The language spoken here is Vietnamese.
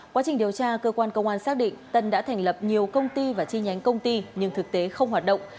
quá trình điều tra cơ quan công an xác định tân đã thành lập nhiều công ty và chi nhánh công ty nhưng thực tế không hoạt động